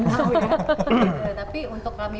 tahu ya tapi untuk kami